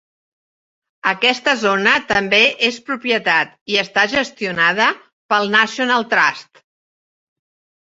Aquesta zona també és propietat i està gestionada pel National Trust.